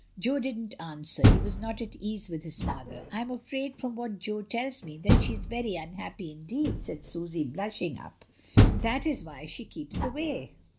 Jo didn't answer; he was not at ease with his father. "I am afraid, from what Jo tells me, that she is very unhappy indeed," said Susy, blushing up; "that is why she keeps away.